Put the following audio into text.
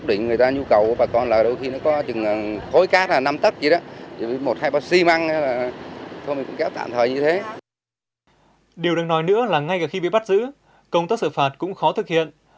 điều đang nói nữa là ngay cả khi bị bắt giữ công tác sự phạt cũng khó thực hiện